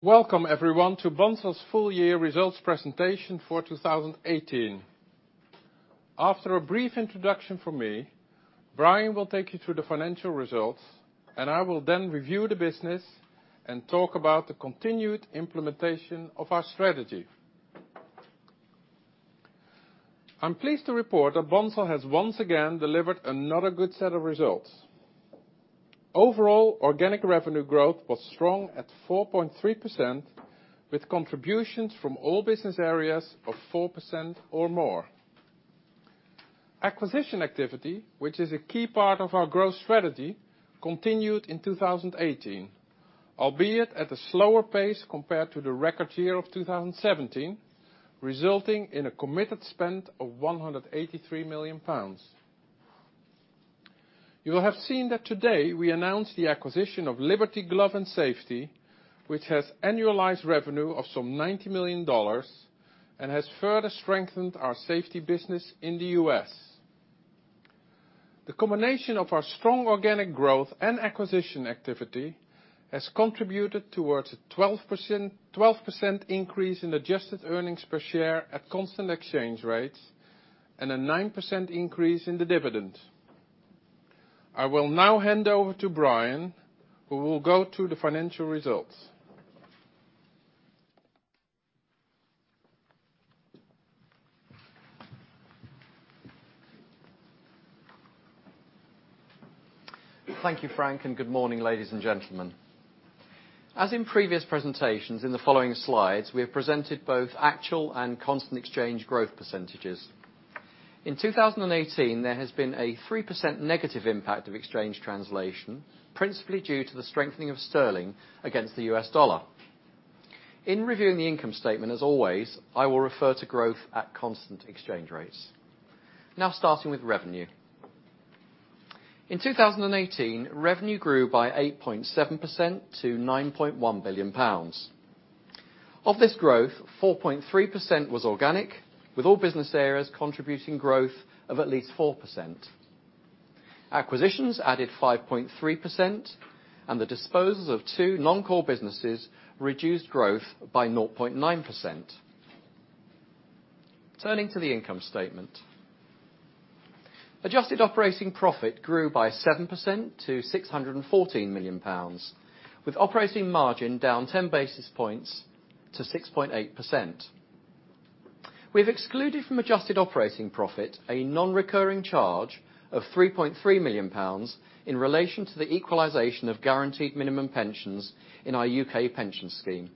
Welcome everyone to Bunzl's full year results presentation for 2018. After a brief introduction from me, Brian will take you through the financial results, and I will then review the business and talk about the continued implementation of our strategy. I am pleased to report that Bunzl has once again delivered another good set of results. Overall organic revenue growth was strong at 4.3%, with contributions from all business areas of 4% or more. Acquisition activity, which is a key part of our growth strategy, continued in 2018, albeit at a slower pace compared to the record year of 2017, resulting in a committed spend of 183 million pounds. You will have seen that today we announced the acquisition of Liberty Glove & Safety, which has annualized revenue of some $90 million, and has further strengthened our safety business in the U.S. The combination of our strong organic growth and acquisition activity has contributed towards a 12% increase in adjusted earnings per share at constant exchange rates, and a 9% increase in the dividend. I will now hand over to Brian, who will go through the financial results. Thank you, Frank, and good morning, ladies and gentlemen. As in previous presentations, in the following slides, we have presented both actual and constant exchange growth percentages. In 2018, there has been a 3% negative impact of exchange translation, principally due to the strengthening of sterling against the U.S. dollar. In reviewing the income statement, as always, I will refer to growth at constant exchange rates. Starting with revenue. In 2018, revenue grew by 8.7% to GBP 9.1 billion. Of this growth, 4.3% was organic, with all business areas contributing growth of at least 4%. Acquisitions added 5.3%, and the disposals of two non-core businesses reduced growth by 0.9%. Turning to the income statement. Adjusted operating profit grew by 7% to 614 million pounds, with operating margin down 10 basis points to 6.8%. We have excluded from adjusted operating profit, a non-recurring charge of 3.3 million pounds in relation to the equalization of guaranteed minimum pensions in our U.K. pension scheme.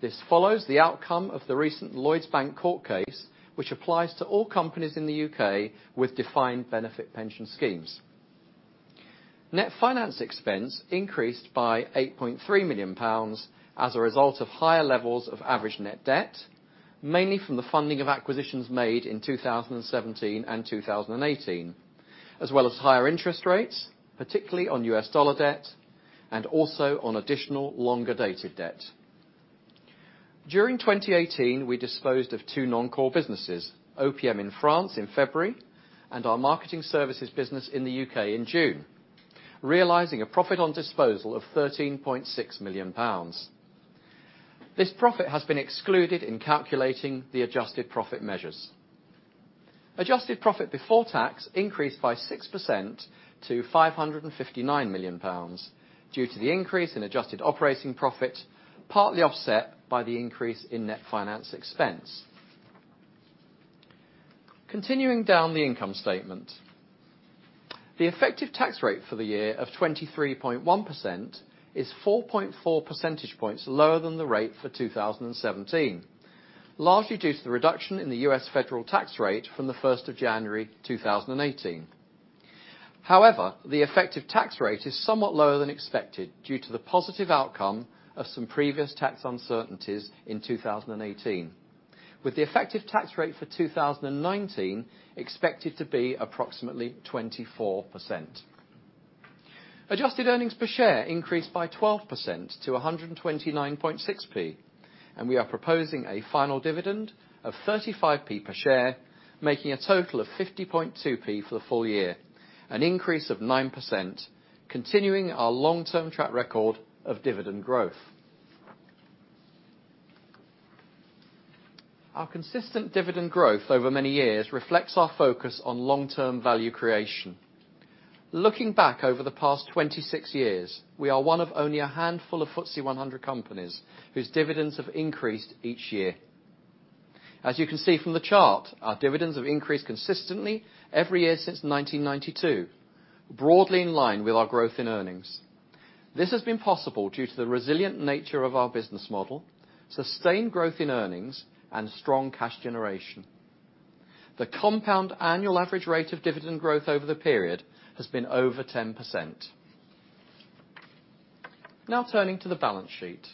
This follows the outcome of the recent Lloyds Bank court case, which applies to all companies in the U.K. with defined benefit pension schemes. Net finance expense increased by 8.3 million pounds as a result of higher levels of average net debt, mainly from the funding of acquisitions made in 2017 and 2018. As well as higher interest rates, particularly on US dollar debt, and also on additional longer dated debt. During 2018, we disposed of two non-core businesses, OPM in France in February, and our marketing services business in the U.K. in June, realizing a profit on disposal of GBP 13.6 million. This profit has been excluded in calculating the adjusted profit measures. Adjusted profit before tax increased by 6% to 559 million pounds due to the increase in adjusted operating profit, partly offset by the increase in net finance expense. Continuing down the income statement. The effective tax rate for the year of 23.1% is 4.4 percentage points lower than the rate for 2017, largely due to the reduction in the U.S. federal tax rate from the 1st of January 2018. However, the effective tax rate is somewhat lower than expected due to the positive outcome of some previous tax uncertainties in 2018. With the effective tax rate for 2019 expected to be approximately 24%. Adjusted earnings per share increased by 12% to 1.296, and we are proposing a final dividend of 0.35 per share, making a total of 0.502 for the full year, an increase of 9%, continuing our long-term track record of dividend growth. Our consistent dividend growth over many years reflects our focus on long-term value creation. Looking back over the past 26 years, we are one of only a handful of FTSE 100 companies whose dividends have increased each year. As you can see from the chart, our dividends have increased consistently every year since 1992, broadly in line with our growth in earnings. This has been possible due to the resilient nature of our business model, sustained growth in earnings, and strong cash generation. The compound annual average rate of dividend growth over the period has been over 10%. Now turning to the balance sheet.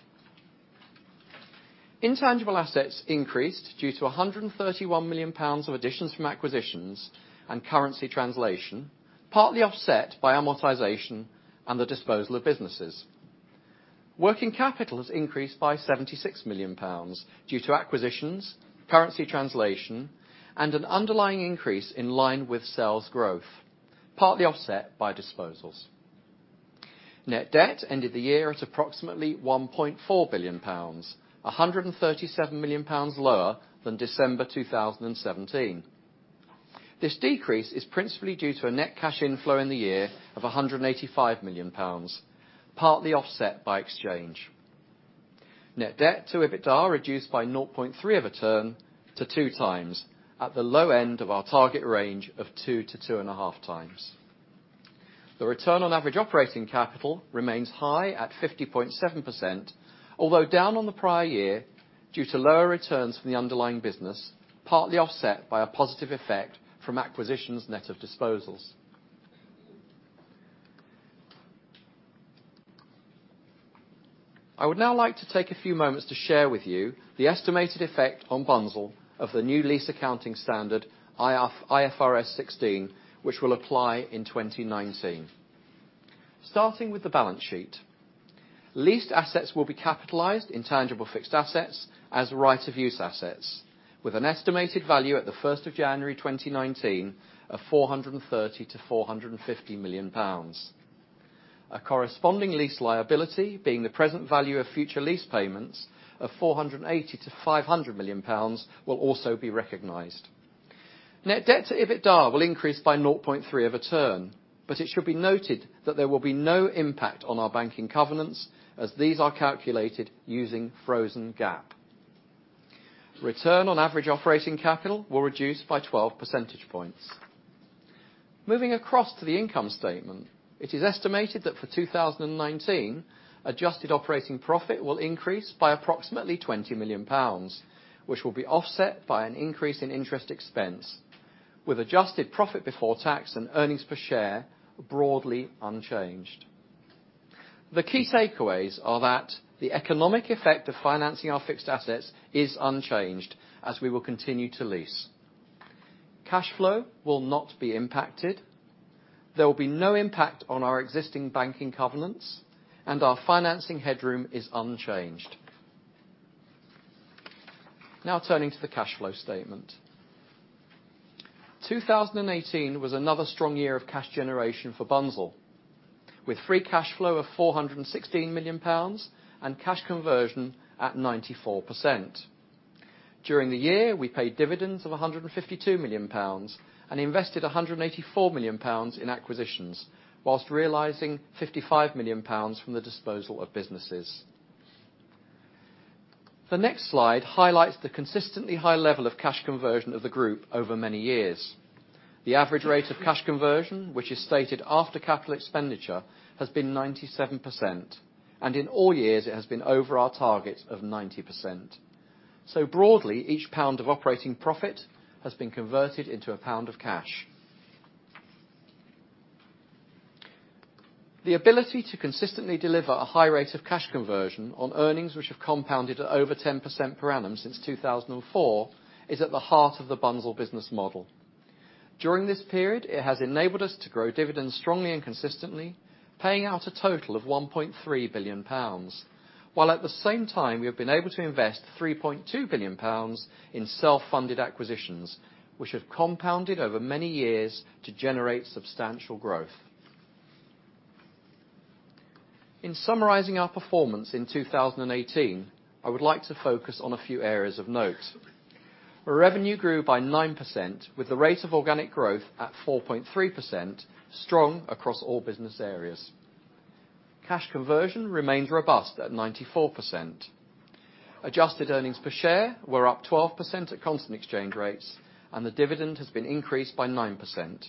Intangible assets increased due to 131 million pounds of additions from acquisitions and currency translation, partly offset by amortization and the disposal of businesses. Working capital has increased by GBP 76 million due to acquisitions, currency translation, and an underlying increase in line with sales growth, partly offset by disposals. Net debt ended the year at approximately 1.4 billion pounds, 137 million pounds lower than December 2017. This decrease is principally due to a net cash inflow in the year of 185 million pounds, partly offset by exchange. Net debt to EBITDA reduced by 0.3 of a turn to 2x at the low end of our target range of 2x-2.5x. The return on average operating capital remains high at 50.7%, although down on the prior year due to lower returns from the underlying business, partly offset by a positive effect from acquisitions net of disposals. I would now like to take a few moments to share with you the estimated effect on Bunzl of the new lease accounting standard, IFRS 16, which will apply in 2019. Starting with the balance sheet, leased assets will be capitalized in tangible fixed assets as right of use assets with an estimated value at the 1st of January 2019 of 430 million-450 million pounds. A corresponding lease liability, being the present value of future lease payments of 480 million-500 million pounds will also be recognized. Net debt to EBITDA will increase by 0.3 of a turn, it should be noted that there will be no impact on our banking covenants, as these are calculated using frozen GAAP. Return on average operating capital will reduce by 12 percentage points. Moving across to the income statement, it is estimated that for 2019, adjusted operating profit will increase by approximately 20 million pounds, which will be offset by an increase in interest expense. With adjusted profit before tax and earnings per share broadly unchanged. The key takeaways are that the economic effect of financing our fixed assets is unchanged, as we will continue to lease. Cash flow will not be impacted. There will be no impact on our existing banking covenants, and our financing headroom is unchanged. Turning to the cash flow statement. 2018 was another strong year of cash generation for Bunzl, with free cash flow of 416 million pounds and cash conversion at 94%. During the year, we paid dividends of 152 million pounds and invested 184 million pounds in acquisitions, whilst realizing 55 million pounds from the disposal of businesses. The next slide highlights the consistently high level of cash conversion of the group over many years. The average rate of cash conversion, which is stated after capital expenditure, has been 97%, and in all years it has been over our target of 90%. Broadly, each pound of operating profit has been converted into a pound of cash. The ability to consistently deliver a high rate of cash conversion on earnings which have compounded at over 10% per annum since 2004 is at the heart of the Bunzl business model. During this period, it has enabled us to grow dividends strongly and consistently, paying out a total of 1.3 billion pounds, while at the same time we have been able to invest 3.2 billion pounds in self-funded acquisitions, which have compounded over many years to generate substantial growth. In summarizing our performance in 2018, I would like to focus on a few areas of note. Our revenue grew by 9%, with the rate of organic growth at 4.3%, strong across all business areas. Cash conversion remained robust at 94%. Adjusted earnings per share were up 12% at constant exchange rates, and the dividend has been increased by 9%.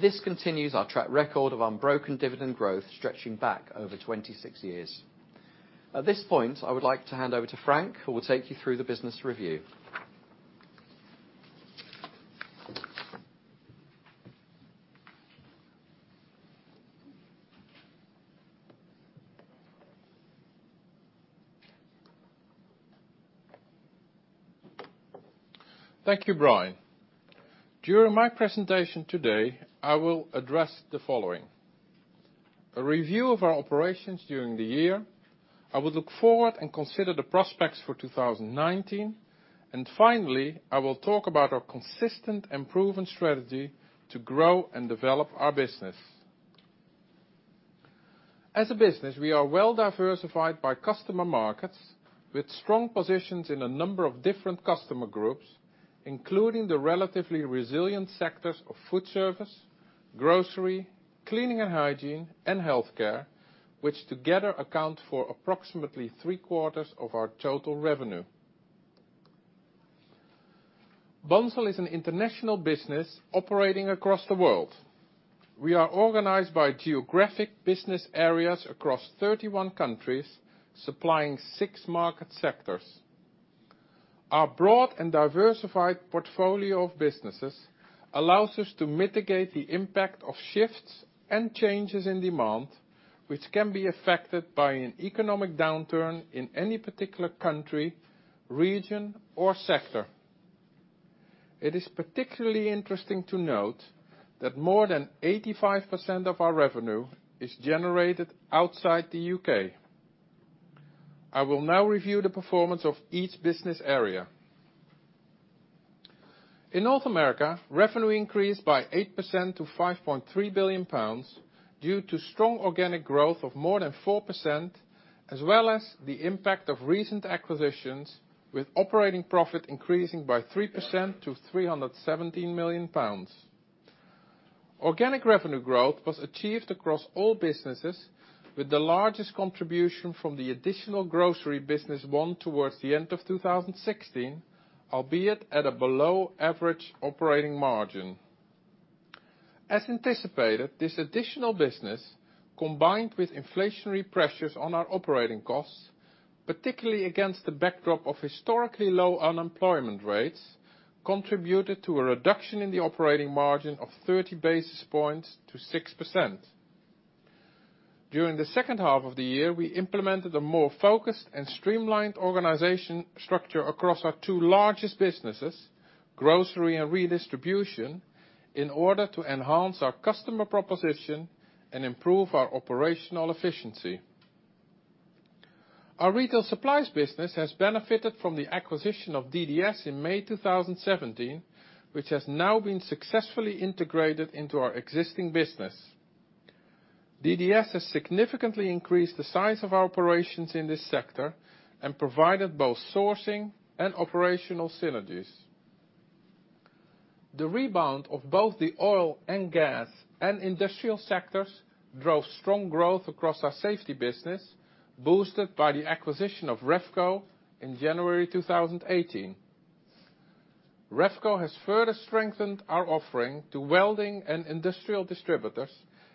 This continues our track record of unbroken dividend growth stretching back over 26 years. At this point, I would like to hand over to Frank, who will take you through the business review. Thank you, Brian. During my presentation today, I will address the following. A review of our operations during the year. I will look forward and consider the prospects for 2019. Finally, I will talk about our consistent and proven strategy to grow and develop our business. As a business, we are well-diversified by customer markets with strong positions in a number of different customer groups, including the relatively resilient sectors of food service, grocery, cleaning and hygiene, and healthcare, which together account for approximately three-quarters of our total revenue. Bunzl is an international business operating across the world. We are organized by geographic business areas across 31 countries, supplying six market sectors. Our broad and diversified portfolio of businesses allows us to mitigate the impact of shifts and changes in demand, which can be affected by an economic downturn in any particular country, region, or sector. It is particularly interesting to note that more than 85% of our revenue is generated outside the U.K. I will now review the performance of each business area. In North America, revenue increased by 8% to 5.3 billion pounds due to strong organic growth of more than 4%, as well as the impact of recent acquisitions, with operating profit increasing by 3% to 317 million pounds. Organic revenue growth was achieved across all businesses, with the largest contribution from the additional grocery business won towards the end of 2016, albeit at a below-average operating margin. As anticipated, this additional business, combined with inflationary pressures on our operating costs, particularly against the backdrop of historically low unemployment rates, contributed to a reduction in the operating margin of 30 basis points to 6%. During the second half of the year, we implemented a more focused and streamlined organization structure across our two largest businesses, grocery and redistribution, in order to enhance our customer proposition and improve our operational efficiency. Our retail supplies business has benefited from the acquisition of DDS in May 2017, which has now been successfully integrated into our existing business. DDS has significantly increased the size of our operations in this sector and provided both sourcing and operational synergies. The rebound of both the oil and gas and industrial sectors drove strong growth across our safety business, boosted by the acquisition of Revco in January 2018. Revco has further strengthened our offering to welding and industrial distributors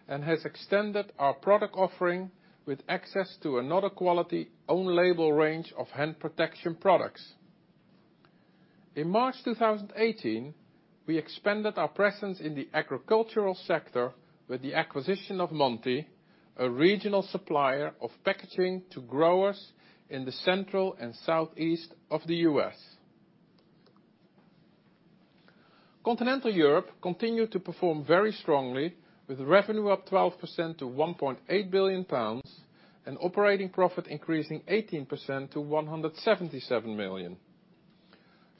and has extended our product offering with access to another quality own-label range of hand protection products. In March 2018, we expanded our presence in the agricultural sector with the acquisition of Monte, a regional supplier of packaging to growers in the central and southeast of the U.S. Continental Europe continued to perform very strongly, with revenue up 12% to 1.8 billion pounds and operating profit increasing 18% to 177 million.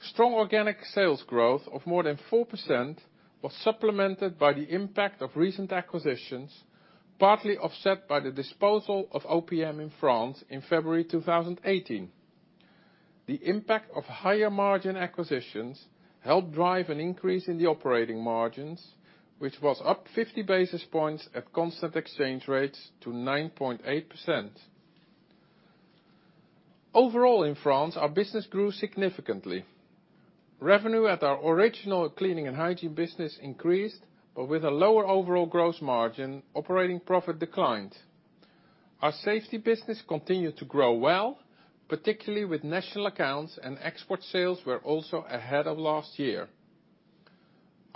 Strong organic sales growth of more than 4% was supplemented by the impact of recent acquisitions, partly offset by the disposal of OPM in France in February 2018. The impact of higher margin acquisitions helped drive an increase in the operating margins, which was up 50 basis points at constant exchange rates to 9.8%. Overall, in France, our business grew significantly. Revenue at our original cleaning and hygiene business increased, but with a lower overall gross margin, operating profit declined. Our safety business continued to grow well, particularly with national accounts, and export sales were also ahead of last year.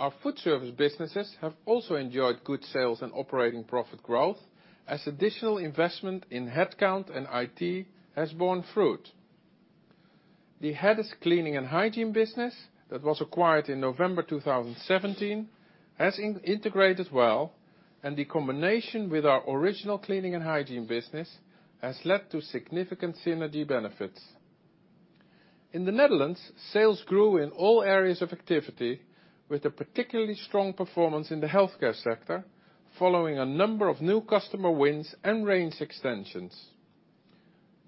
Our food service businesses have also enjoyed good sales and operating profit growth as additional investment in headcount and IT has borne fruit. The Hedis cleaning and hygiene business that was acquired in November 2017 has integrated well, and the combination with our original cleaning and hygiene business has led to significant synergy benefits. In the Netherlands, sales grew in all areas of activity, with a particularly strong performance in the healthcare sector, following a number of new customer wins and range extensions.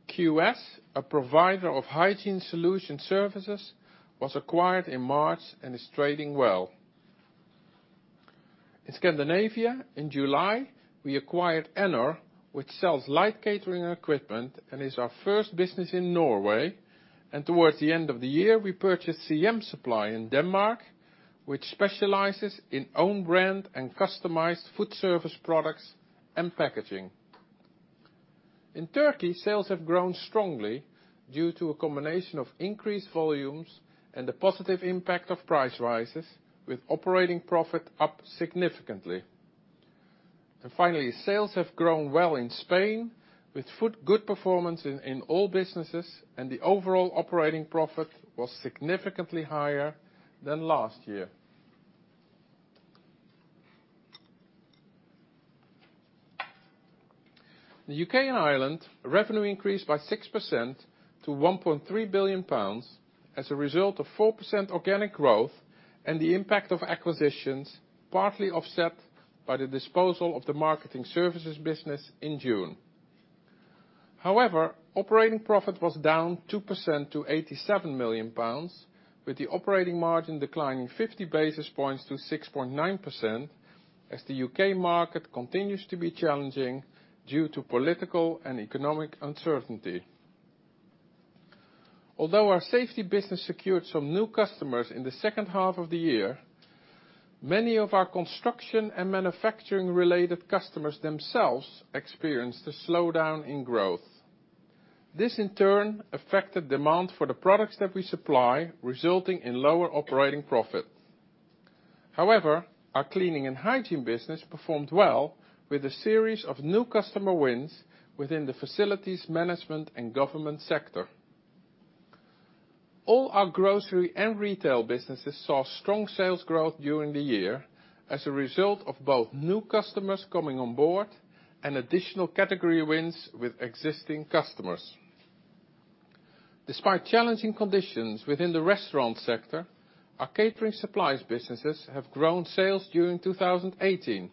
QS, a provider of hygiene solution services, was acquired in March and is trading well. In Scandinavia, in July, we acquired Enor, which sells light catering equipment and is our first business in Norway. Towards the end of the year, we purchased CM Supply in Denmark, which specializes in own brand and customized food service products and packaging. In Turkey, sales have grown strongly due to a combination of increased volumes and the positive impact of price rises, with operating profit up significantly. Finally, sales have grown well in Spain, with good performance in all businesses, and the overall operating profit was significantly higher than last year. In the U.K. and Ireland, revenue increased by 6% to 1.3 billion pounds as a result of 4% organic growth and the impact of acquisitions, partly offset by the disposal of the marketing services business in June. However, operating profit was down 2% to 87 million pounds, with the operating margin declining 50 basis points to 6.9% as the U.K. market continues to be challenging due to political and economic uncertainty. Although our safety business secured some new customers in the second half of the year, many of our construction and manufacturing-related customers themselves experienced a slowdown in growth. This, in turn, affected demand for the products that we supply, resulting in lower operating profit. However, our cleaning and hygiene business performed well with a series of new customer wins within the facilities management and government sector. All our grocery and retail businesses saw strong sales growth during the year as a result of both new customers coming on board and additional category wins with existing customers. Despite challenging conditions within the restaurant sector, our catering supplies businesses have grown sales during 2018.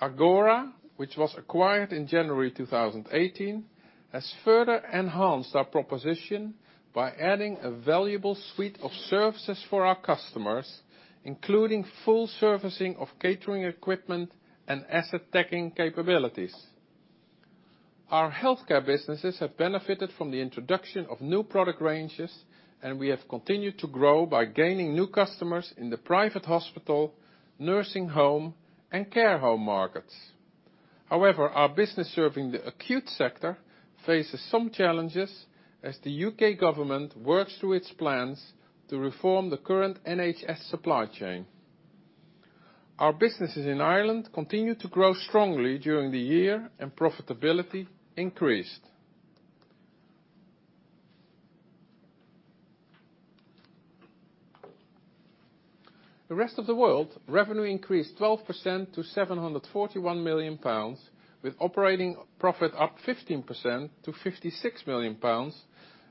Aggora, which was acquired in January 2018, has further enhanced our proposition by adding a valuable suite of services for our customers, including full servicing of catering equipment and asset tagging capabilities. Our healthcare businesses have benefited from the introduction of new product ranges. We have continued to grow by gaining new customers in the private hospital, nursing home, and care home markets. However, our business serving the acute sector faces some challenges as the U.K. government works through its plans to reform the current NHS supply chain. Our businesses in Ireland continued to grow strongly during the year. Profitability increased. The rest of the world revenue increased 12% to 741 million pounds, with operating profit up 15% to 56 million pounds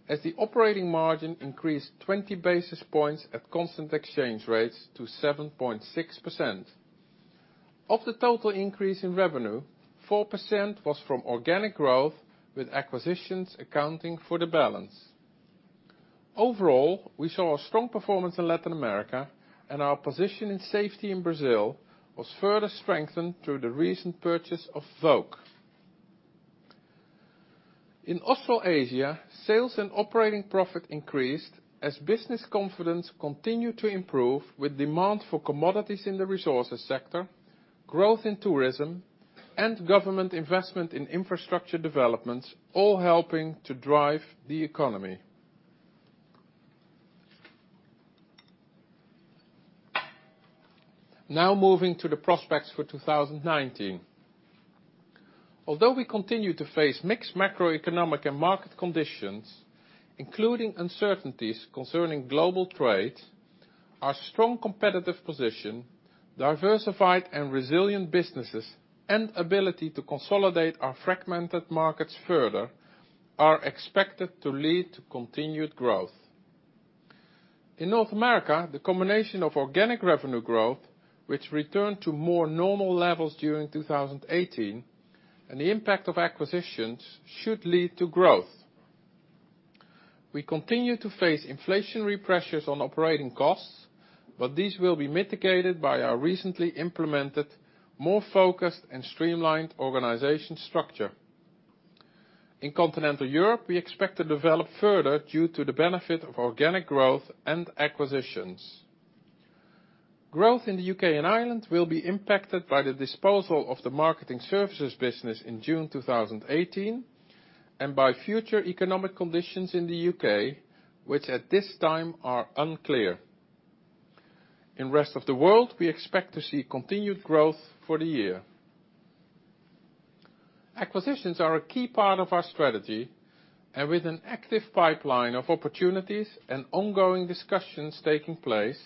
as the operating margin increased 20 basis points at constant exchange rates to 7.6%. Of the total increase in revenue, 4% was from organic growth, with acquisitions accounting for the balance. Overall, we saw a strong performance in Latin America. Our position in safety in Brazil was further strengthened through the recent purchase of Volk. In Australasia, sales and operating profit increased as business confidence continued to improve with demand for commodities in the resources sector, growth in tourism, and government investment in infrastructure developments, all helping to drive the economy. Moving to the prospects for 2019. Although we continue to face mixed macroeconomic and market conditions, including uncertainties concerning global trade, our strong competitive position, diversified and resilient businesses, and ability to consolidate our fragmented markets further are expected to lead to continued growth. In North America, the combination of organic revenue growth, which returned to more normal levels during 2018. The impact of acquisitions should lead to growth. We continue to face inflationary pressures on operating costs, but these will be mitigated by our recently implemented, more focused and streamlined organization structure. In Continental Europe, we expect to develop further due to the benefit of organic growth and acquisitions. Growth in the U.K. and Ireland will be impacted by the disposal of the marketing services business in June 2018 and by future economic conditions in the U.K., which at this time are unclear. In rest of the world, we expect to see continued growth for the year. Acquisitions are a key part of our strategy, and with an active pipeline of opportunities and ongoing discussions taking place,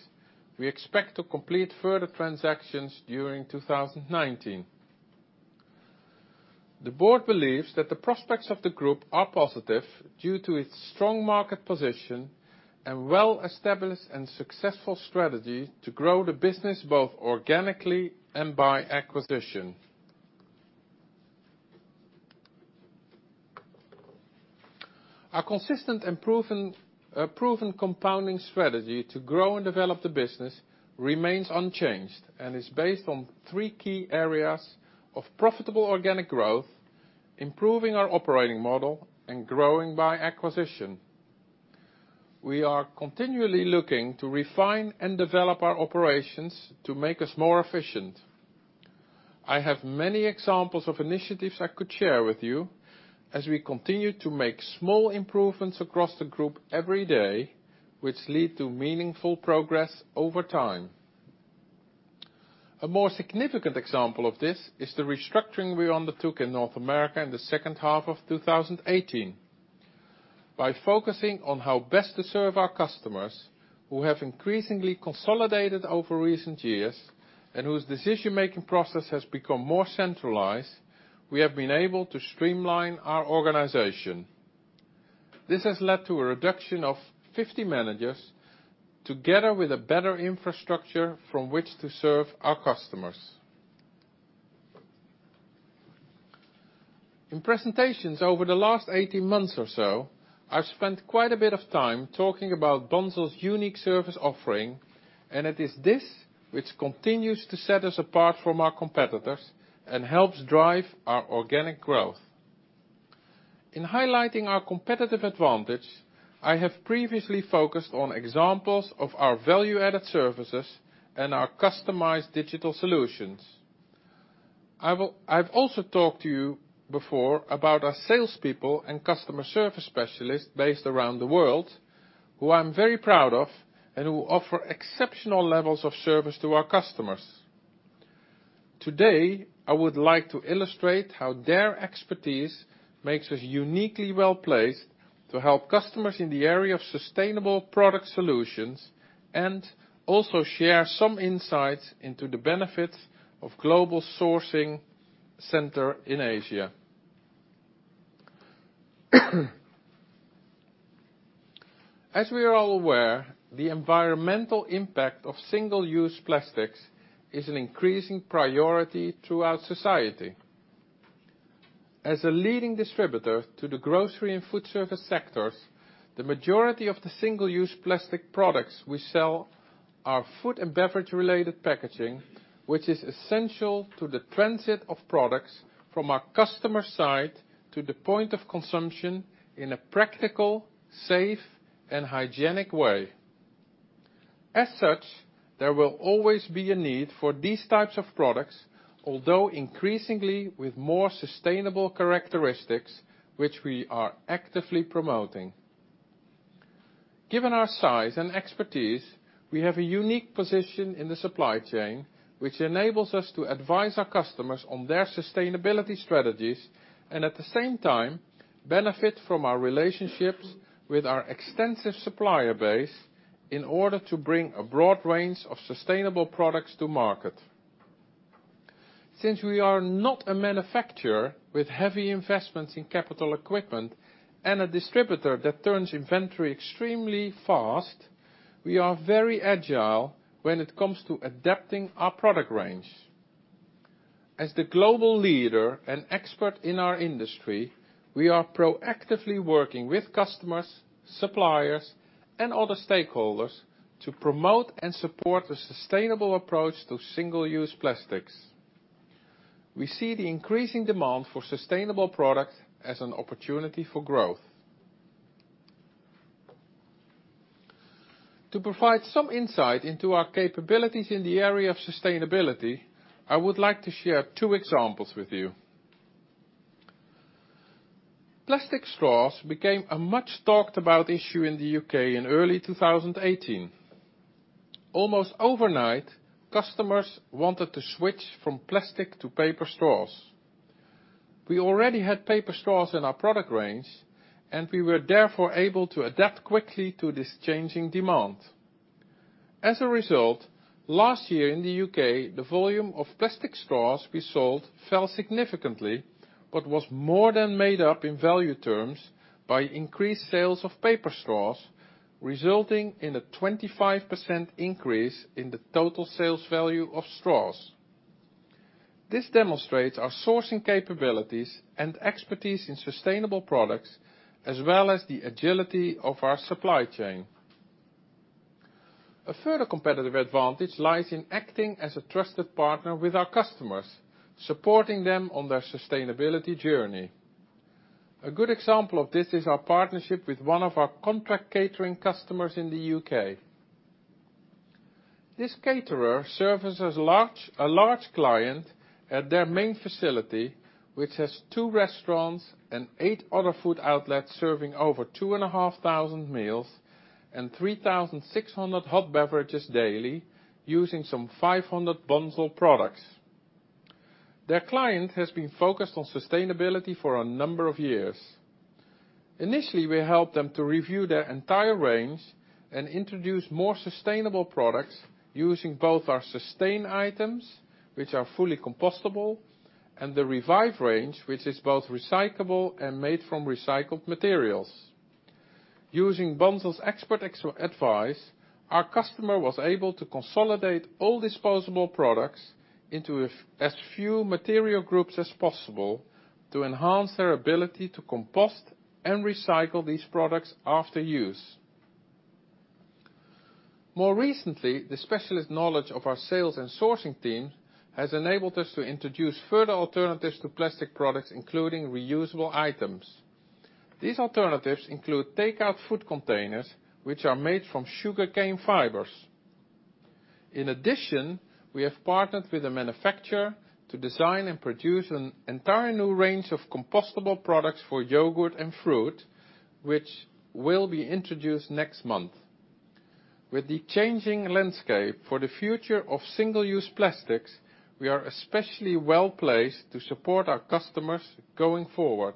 we expect to complete further transactions during 2019. The board believes that the prospects of the group are positive due to its strong market position and well-established and successful strategy to grow the business both organically and by acquisition. Our consistent and proven compounding strategy to grow and develop the business remains unchanged and is based on three key areas of profitable organic growth, improving our operating model, and growing by acquisition. We are continually looking to refine and develop our operations to make us more efficient. I have many examples of initiatives I could share with you as we continue to make small improvements across the group every day, which lead to meaningful progress over time. A more significant example of this is the restructuring we undertook in North America in the second half of 2018. By focusing on how best to serve our customers, who have increasingly consolidated over recent years and whose decision-making process has become more centralized, we have been able to streamline our organization. This has led to a reduction of 50 managers together with a better infrastructure from which to serve our customers. In presentations over the last 18 months or so, I've spent quite a bit of time talking about Bunzl's unique service offering, and it is this which continues to set us apart from our competitors and helps drive our organic growth. In highlighting our competitive advantage, I have previously focused on examples of our value-added services and our customized digital solutions. I've also talked to you before about our salespeople and customer service specialists based around the world who I'm very proud of and who offer exceptional levels of service to our customers. Today, I would like to illustrate how their expertise makes us uniquely well-placed to help customers in the area of sustainable product solutions, and also share some insights into the benefits of global sourcing center in Asia. As we are all aware, the environmental impact of single-use plastics is an increasing priority throughout society. As a leading distributor to the grocery and foodservice sectors, the majority of the single-use plastic products we sell are food and beverage related packaging, which is essential to the transit of products from our customer site to the point of consumption in a practical, safe and hygienic way. As such, there will always be a need for these types of products, although increasingly with more sustainable characteristics, which we are actively promoting. Given our size and expertise, we have a unique position in the supply chain, which enables us to advise our customers on their sustainability strategies, and at the same time, benefit from our relationships with our extensive supplier base in order to bring a broad range of sustainable products to market. Since we are not a manufacturer with heavy investments in capital equipment and a distributor that turns inventory extremely fast, we are very agile when it comes to adapting our product range. As the global leader and expert in our industry, we are proactively working with customers, suppliers and other stakeholders to promote and support a sustainable approach to single-use plastics. We see the increasing demand for sustainable products as an opportunity for growth. To provide some insight into our capabilities in the area of sustainability, I would like to share two examples with you. Plastic straws became a much talked about issue in the U.K. in early 2018. Almost overnight, customers wanted to switch from plastic to paper straws. We already had paper straws in our product range. We were therefore able to adapt quickly to this changing demand. As a result, last year in the U.K., the volume of plastic straws we sold fell significantly. It was more than made up in value terms by increased sales of paper straws, resulting in a 25% increase in the total sales value of straws. This demonstrates our sourcing capabilities and expertise in sustainable products, as well as the agility of our supply chain. A further competitive advantage lies in acting as a trusted partner with our customers, supporting them on their sustainability journey. A good example of this is our partnership with one of our contract catering customers in the U.K. This caterer services a large client at their main facility, which has two restaurants and eight other food outlets, serving over 2,500 meals and 3,600 hot beverages daily using some 500 Bunzl products. Their client has been focused on sustainability for a number of years. Initially, we helped them to review their entire range and introduce more sustainable products using both our Sustain items, which are fully compostable, and the Revive range, which is both recyclable and made from recycled materials. Using Bunzl's expert advice, our customer was able to consolidate all disposable products into as few material groups as possible to enhance their ability to compost and recycle these products after use. More recently, the specialist knowledge of our sales and sourcing teams has enabled us to introduce further alternatives to plastic products, including reusable items. These alternatives include takeout food containers, which are made from sugarcane fibers. In addition, we have partnered with a manufacturer to design and produce an entire new range of compostable products for yogurt and fruit, which will be introduced next month. With the changing landscape for the future of single-use plastics, we are especially well-placed to support our customers going forward.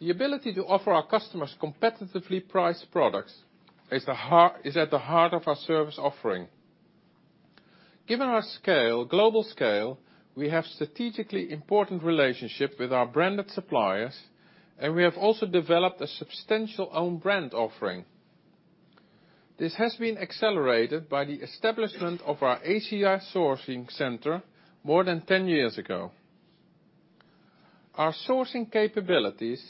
The ability to offer our customers competitively priced products is at the heart of our service offering. Given our global scale, we have strategically important relationship with our branded suppliers. We have also developed a substantial own brand offering. This has been accelerated by the establishment of our Asia sourcing center more than 10 years ago. Our sourcing capabilities,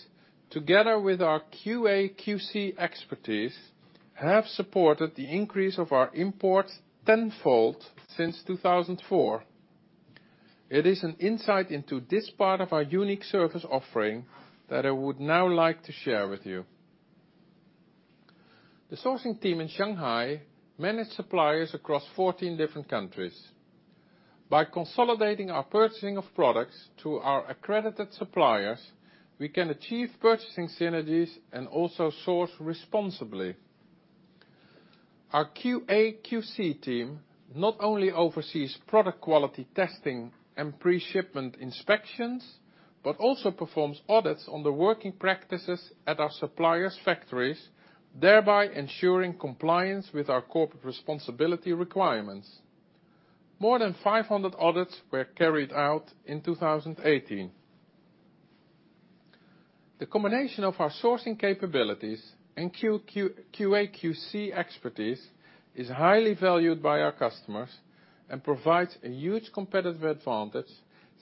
together with our QA/QC expertise, have supported the increase of our imports tenfold since 2004. It is an insight into this part of our unique service offering that I would now like to share with you. The sourcing team in Shanghai manage suppliers across 14 different countries. By consolidating our purchasing of products to our accredited suppliers, we can achieve purchasing synergies and also source responsibly. Our QA/QC team not only oversees product quality testing and pre-shipment inspections, but also performs audits on the working practices at our suppliers' factories, thereby ensuring compliance with our corporate responsibility requirements. More than 500 audits were carried out in 2018. The combination of our sourcing capabilities and QA/QC expertise is highly valued by our customers and provides a huge competitive advantage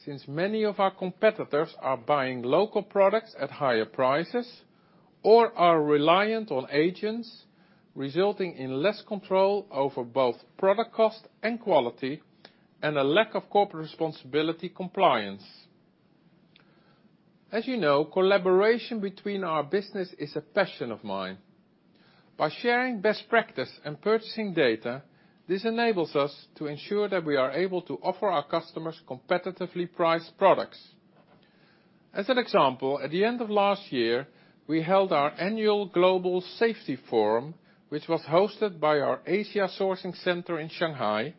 since many of our competitors are buying local products at higher prices, or are reliant on agents, resulting in less control over both product cost and quality, and a lack of corporate responsibility compliance. As you know, collaboration between our business is a passion of mine. By sharing best practice and purchasing data, this enables us to ensure that we are able to offer our customers competitively priced products. As an example, at the end of last year, we held our annual global safety forum, which was hosted by our Asia sourcing center in Shanghai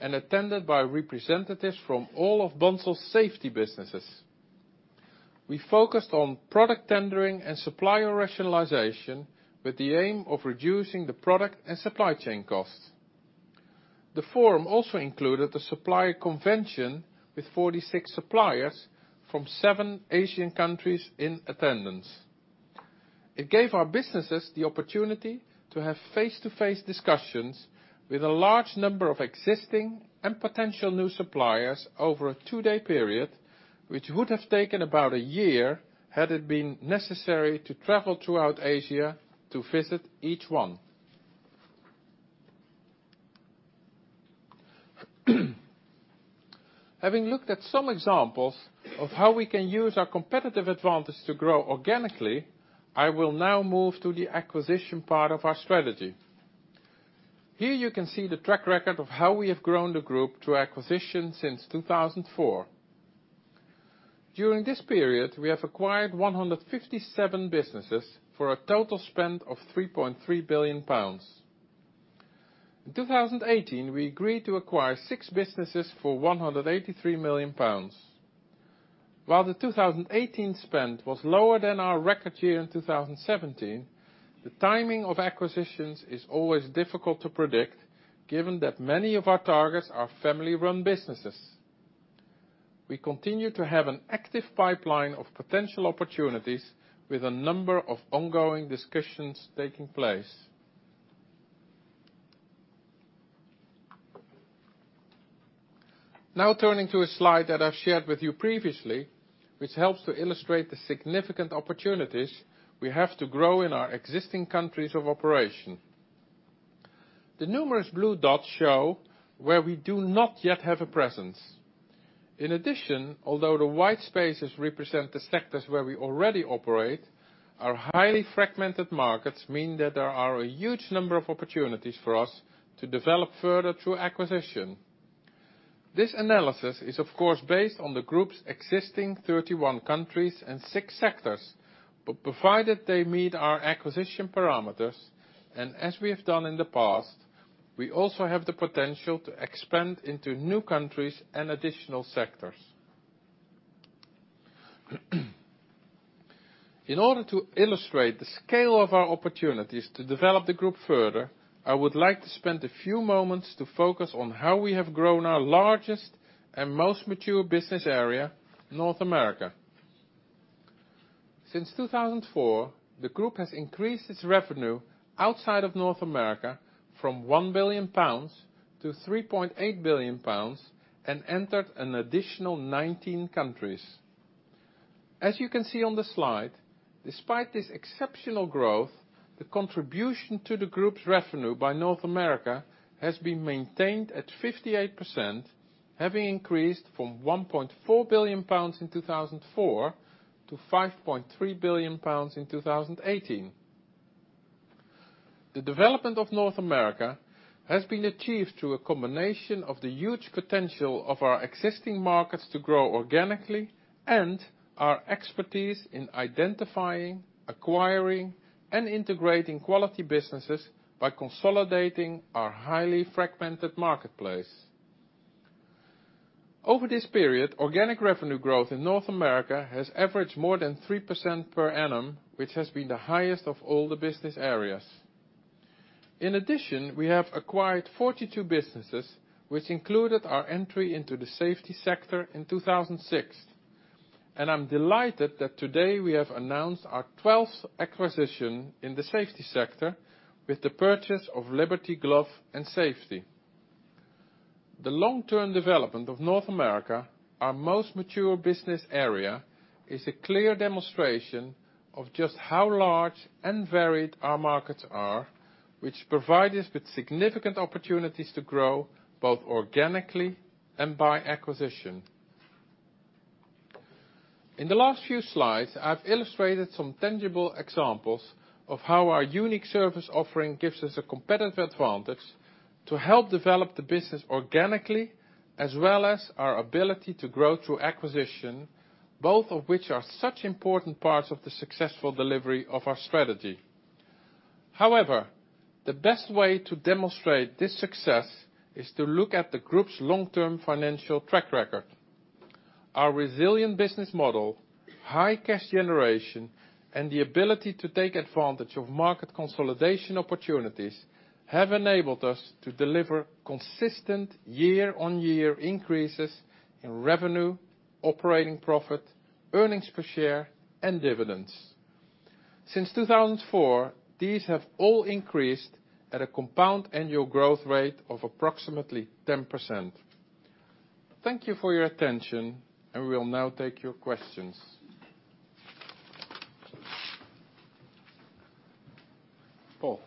and attended by representatives from all of Bunzl's safety businesses. We focused on product tendering and supplier rationalization with the aim of reducing the product and supply chain costs. The forum also included a supplier convention with 46 suppliers from seven Asian countries in attendance. It gave our businesses the opportunity to have face-to-face discussions with a large number of existing and potential new suppliers over a two-day period, which would have taken about a year had it been necessary to travel throughout Asia to visit each one. Having looked at some examples of how we can use our competitive advantage to grow organically, I will now move to the acquisition part of our strategy. Here you can see the track record of how we have grown the group through acquisition since 2004. During this period, we have acquired 157 businesses for a total spend of 3.3 billion pounds. In 2018, we agreed to acquire six businesses for 183 million pounds. While the 2018 spend was lower than our record year in 2017, the timing of acquisitions is always difficult to predict, given that many of our targets are family-run businesses. We continue to have an active pipeline of potential opportunities with a number of ongoing discussions taking place. Now turning to a slide that I've shared with you previously, which helps to illustrate the significant opportunities we have to grow in our existing countries of operation. The numerous blue dots show where we do not yet have a presence. In addition, although the white spaces represent the sectors where we already operate, our highly fragmented markets mean that there are a huge number of opportunities for us to develop further through acquisition. This analysis is of course based on the group's existing 31 countries and six sectors. But provided they meet our acquisition parameters, and as we have done in the past, we also have the potential to expand into new countries and additional sectors. In order to illustrate the scale of our opportunities to develop the group further, I would like to spend a few moments to focus on how we have grown our largest and most mature business area, North America. Since 2004, the group has increased its revenue outside of North America from 1 billion-3.8 billion pounds and entered an additional 19 countries. As you can see on the slide, despite this exceptional growth, the contribution to the group's revenue by North America has been maintained at 58%, having increased from 1.4 billion pounds in 2004 to 5.3 billion pounds in 2018. The development of North America has been achieved through a combination of the huge potential of our existing markets to grow organically and our expertise in identifying, acquiring, and integrating quality businesses by consolidating our highly fragmented marketplace. Over this period, organic revenue growth in North America has averaged more than 3% per annum, which has been the highest of all the business areas. In addition, we have acquired 42 businesses, which included our entry into the safety sector in 2006. I'm delighted that today we have announced our 12th acquisition in the safety sector with the purchase of Liberty Glove & Safety. The long-term development of North America, our most mature business area, is a clear demonstration of just how large and varied our markets are, which provide us with significant opportunities to grow both organically and by acquisition. In the last few slides, I've illustrated some tangible examples of how our unique service offering gives us a competitive advantage to help develop the business organically, as well as our ability to grow through acquisition, both of which are such important parts of the successful delivery of our strategy. However, the best way to demonstrate this success is to look at the group's long-term financial track record. Our resilient business model, high cash generation, and the ability to take advantage of market consolidation opportunities have enabled us to deliver consistent year-on-year increases in revenue, operating profit, earnings per share, and dividends. Since 2004, these have all increased at a compound annual growth rate of approximately 10%. Thank you for your attention, and we will now take your questions. Paul?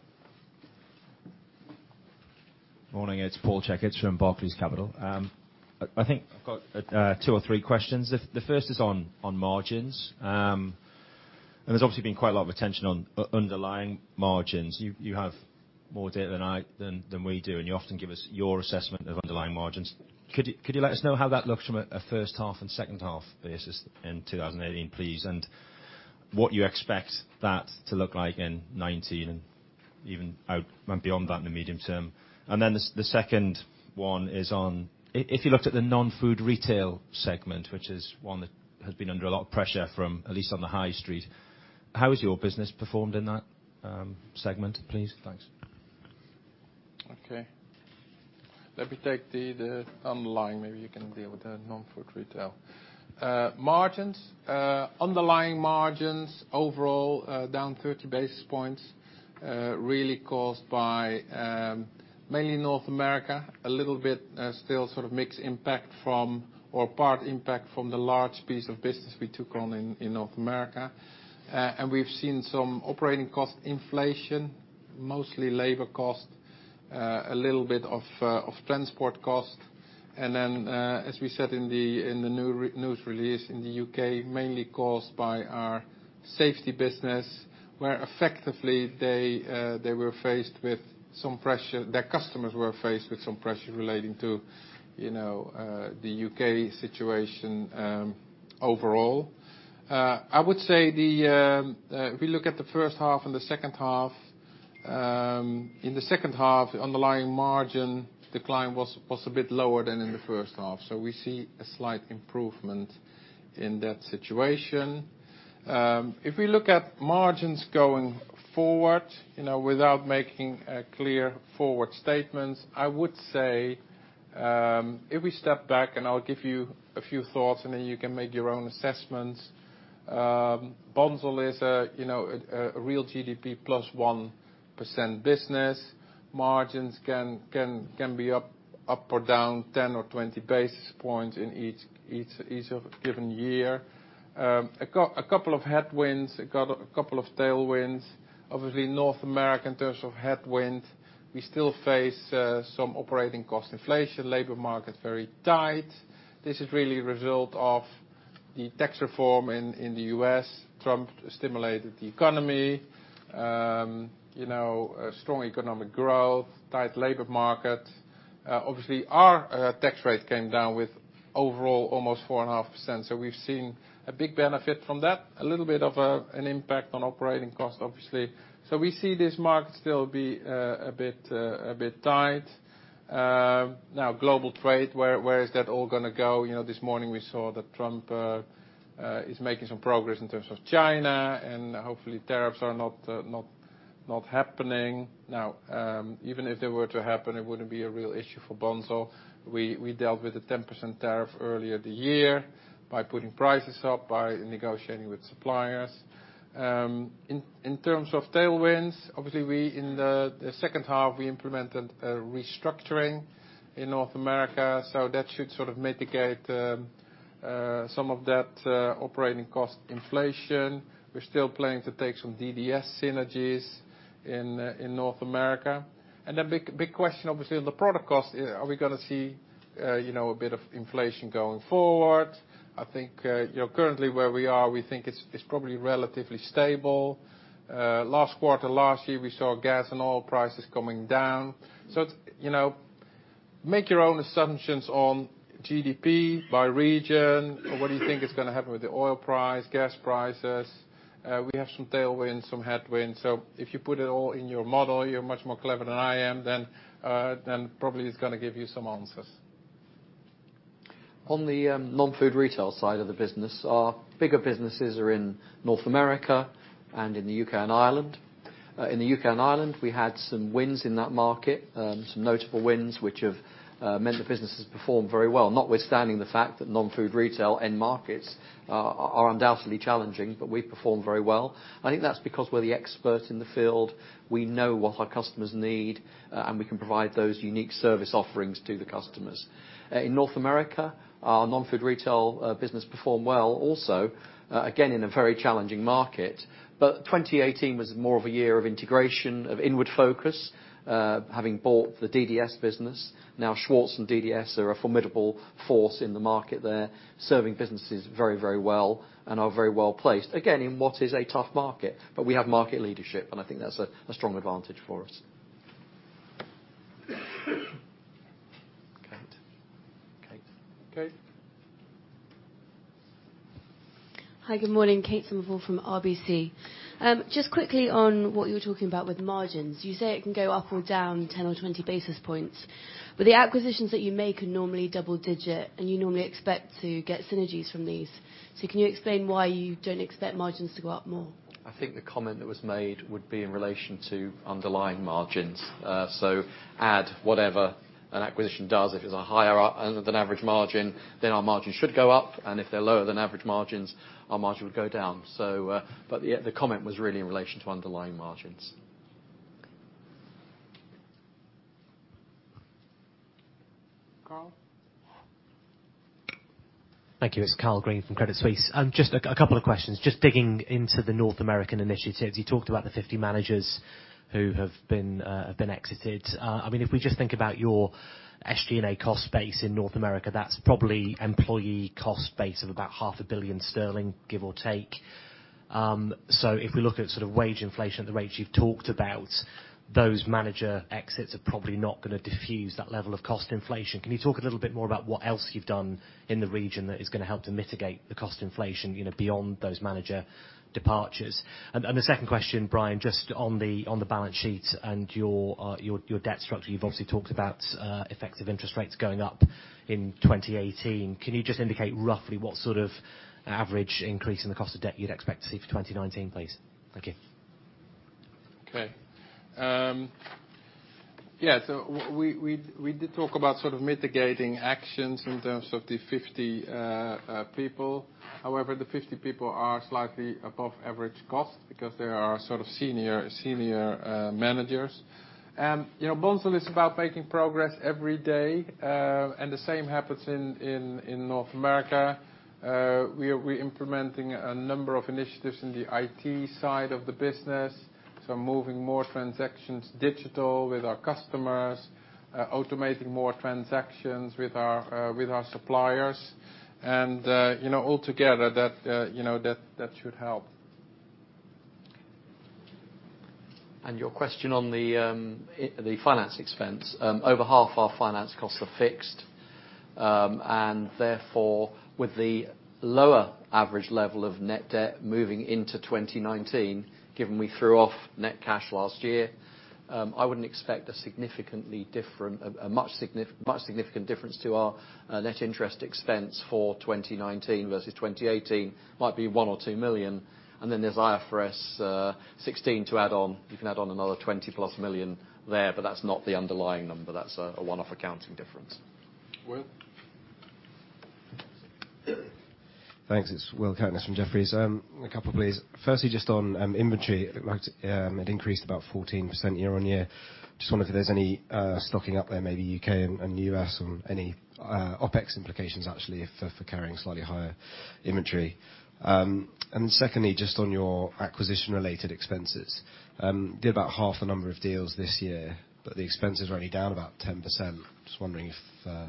Morning. It's Paul Checketts from Barclays Capital. I think I've got two or three questions. The first is on margins. There's obviously been quite a lot of attention on underlying margins. You have more data than we do, and you often give us your assessment of underlying margins. Could you let us know how that looks from a first half and second half basis in 2018, please? What you expect that to look like in 2019, and even out and beyond that in the medium term. The second one is on if you looked at the non-food retail segment, which is one that has been under a lot of pressure from, at least, on the high street, how has your business performed in that segment, please? Thanks. Okay. Let me take the underlying, maybe you can deal with the non-food retail. Margins. Underlying margins overall are down 30 basis points, really caused by mainly North America, a little bit still sort of mixed impact from, or part impact from the large piece of business we took on in North America. We've seen some operating cost inflation, mostly labor cost, a little bit of transport cost. As we said in the news release, in the U.K., mainly caused by our safety business, where effectively their customers were faced with some pressure relating to the U.K. situation overall. I would say if we look at the first half and the second half, in the second half, the underlying margin decline was a bit lower than in the first half. We see a slight improvement in that situation. If we look at margins going forward, without making clear forward statements, I would say, if we step back and I'll give you a few thoughts and then you can make your own assessments. Bunzl is a real GDP plus 1% business. Margins can be up or down 10 or 20 basis points in each of a given year. A couple of headwinds, a couple of tailwinds. Obviously North America, in terms of headwind, we still face some operating cost inflation, labor market very tight. This is really a result of the tax reform in the U.S. Trump stimulated the economy. Strong economic growth, tight labor market. Obviously, our tax rate came down with overall almost 4.5%. We've seen a big benefit from that. A little bit of an impact on operating cost, obviously. We see this market still be a bit tight. Global trade, where is that all going to go? This morning we saw that Trump is making some progress in terms of China, hopefully tariffs are not happening. Even if they were to happen, it wouldn't be a real issue for Bunzl. We dealt with a 10% tariff earlier in the year by putting prices up, by negotiating with suppliers. In terms of tailwinds, obviously in the second half, we implemented a restructuring in North America. That should sort of mitigate some of that operating cost inflation. We're still planning to take some DDS synergies in North America. The big question obviously on the product cost, are we going to see a bit of inflation going forward? I think currently where we are, we think it's probably relatively stable. Last quarter, last year, we saw gas and oil prices coming down. Make your own assumptions on GDP by region, or what you think is going to happen with the oil price, gas prices. We have some tailwind, some headwind. If you put it all in your model, you're much more clever than I am, then probably it's going to give you some answers. On the non-food retail side of the business, our bigger businesses are in North America and in the U.K. and Ireland. In the U.K. and Ireland, we had some wins in that market, some notable wins, which have meant the business has performed very well. Notwithstanding the fact that non-food retail end markets are undoubtedly challenging, we've performed very well. I think that's because we're the experts in the field. We know what our customers need, and we can provide those unique service offerings to the customers. In North America, our non-food retail business performed well also, again, in a very challenging market. 2018 was more of a year of integration, of inward focus, having bought the DDS business. Now Schwarz and DDS are a formidable force in the market there, serving businesses very well, and are very well-placed, again, in what is a tough market. We have market leadership, and I think that's a strong advantage for us. Kate? Hi, good morning. Kate Somerville from RBC. Just quickly on what you were talking about with margins. You say it can go up or down 10 or 20 basis points, the acquisitions that you make are normally double-digit, and you normally expect to get synergies from these. Can you explain why you don't expect margins to go up more? I think the comment that was made would be in relation to underlying margins. Add whatever an acquisition does. If it's a higher than average margin, then our margins should go up. If they're lower than average margins, our margin would go down. The comment was really in relation to underlying margins. Okay. Karl? Thank you. It's Karl Green from Credit Suisse. Just a couple of questions. Just digging into the North American initiatives. You talked about the 50 managers who have been exited. If we just think about your SG&A cost base in North America, that's probably employee cost base of about half a billion GBP, give or take. If we look at sort of wage inflation at the rates you've talked about, those manager exits are probably not going to diffuse that level of cost inflation. Can you talk a little bit more about what else you've done in the region that is going to help to mitigate the cost inflation beyond those manager departures? The second question, Brian, just on the balance sheet and your debt structure. You've obviously talked about effects of interest rates going up in 2018. Can you just indicate roughly what sort of average increase in the cost of debt you'd expect to see for 2019, please? Thank you. Okay. Yeah. We did talk about sort of mitigating actions in terms of the 50 people. However, the 50 people are slightly above average cost because they are sort of senior managers. Bunzl is about making progress every day, and the same happens in North America. We're implementing a number of initiatives in the IT side of the business, moving more transactions digital with our customers, automating more transactions with our suppliers and altogether, that should help. Your question on the finance expense. Over half our finance costs are fixed. Therefore, with the lower average level of net debt moving into 2019, given we threw off net cash last year, I wouldn't expect a much significant difference to our net interest expense for 2019 versus 2018. Might be 1 or 2 million, then there's IFRS 16 to add on. You can add on another 20+ million there, but that's not the underlying number. That's a one-off accounting difference. Will? Thanks. It is Will Coutts from Jefferies. A couple, please. Firstly, just on inventory. It increased about 14% year-over-year. Just wonder if there is any stocking up there, maybe U.K. and U.S., or any OpEx implications actually, for carrying slightly higher inventory. Secondly, just on your acquisition related expenses. Did about half the number of deals this year, but the expenses are only down about 10%. Just wondering if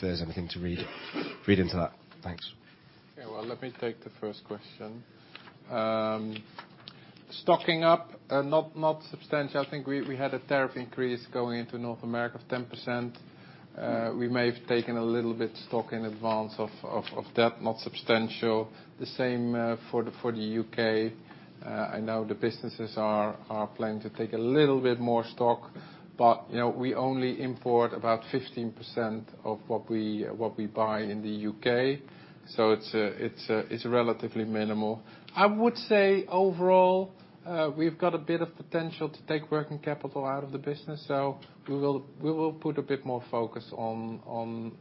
there is anything to read into that. Thanks. Let me take the first question. Stocking up, not substantial. I think we had a tariff increase going into North America of 10%. We may have taken a little bit stock in advance of that. Not substantial. The same for the U.K. I know the businesses are planning to take a little bit more stock. We only import about 15% of what we buy in the U.K., so it is relatively minimal. I would say overall, we have got a bit of potential to take working capital out of the business, so we will put a bit more focus on